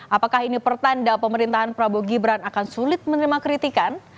apakah ini pertanda pemerintahan prabowo gibran akan sulit menerima kritikan